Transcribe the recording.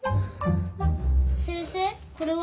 先生これは？